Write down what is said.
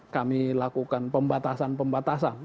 kami lakukan pembatasan pembatasan